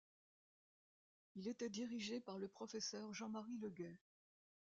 Il était dirigé par le Professeur Jean-Marie Legay.